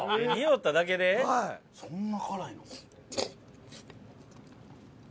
そんな辛いの？